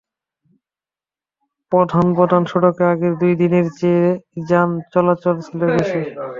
প্রধান প্রধান সড়কে আগের দুই দিনের চেয়ে যান চলাচল ছিল বেশি।